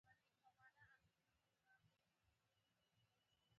کتاب یې په حسرت د المارۍ له قفس ګوري